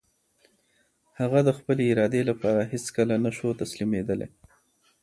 هغه د خپلې ارادې لپاره هېڅکله نه شو تسليمېدلی.